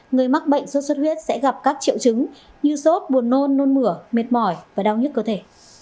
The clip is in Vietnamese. người mắc bệnh sốt xuất huyết sẽ gặp các triệu chứng như sốt buồn nôn nôn mửa mệt mỏi và đau nhất cơ thể